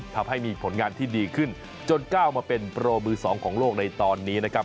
ทำให้มีผลงานที่ดีขึ้นจนก้าวมาเป็นโปรมือสองของโลกในตอนนี้นะครับ